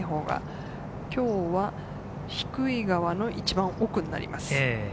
今日は低い側の一番奥になります。